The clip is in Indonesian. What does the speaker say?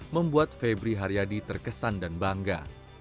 membuat febri haryadi terkesan dan bangga